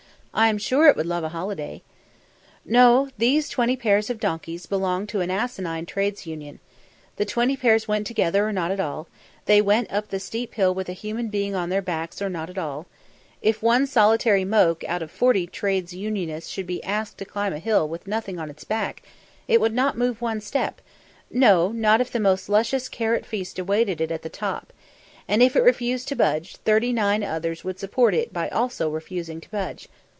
I'm sure it would love a holiday." No! These twenty pairs of donkeys belonged to an asinine Trades Union. The twenty pairs went together or not at all; they went up the steep hill with a human being on their backs or not at all; if one solitary moke out of the forty trades unionists should be asked to climb a hill with nothing on its back, it would not move one step no, not if the most luscious carrot feast awaited it at the top; and if it refused to budge, the thirty nine others would support it by also refusing to budge!